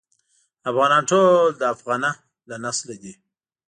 افغانان ټول د افغنه له نسله دي.